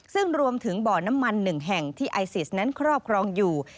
ซึ่งรวมถึงบ่อน้ำมัน๑แห่งที่ไอซิสนั้นครอบครองอยู่